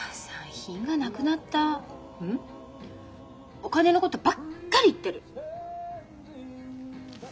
お金のことばっかり言ってる。